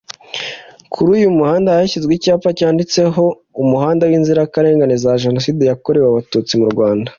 Kuri uyu muhanda hashyizwe icyapa cyanditse ho ngo ‘umuhanda w’inzirakarengane za Jenoside yakorewe Abatutsi mu Rwanda’